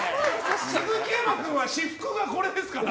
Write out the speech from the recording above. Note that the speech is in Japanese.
ツヅキヤマ君は私服がこれですから。